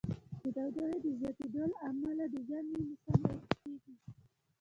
د تودوخې د زیاتیدو له امله د ژمی موسم اوږد کیږي.